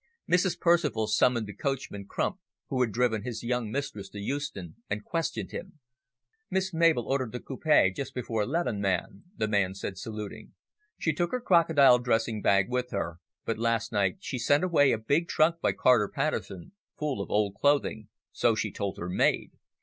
Mrs. Percival summoned the coachman, Crump, who had driven his young mistress to Euston, and questioned him. "Miss Mabel ordered the coupe just before eleven, ma'am," the man said, saluting. "She took her crocodile dressing bag with her, but last night she sent away a big trunk by Carter Patterson full of old clothing, so she told her maid.